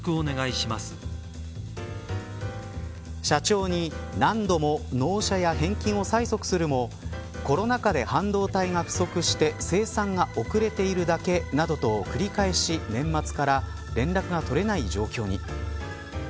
社長に何度も納車や返金を催促するもコロナ禍で半導体が不足して生産が遅れているだけなどと繰り返し、年末から連絡が取れない状況に。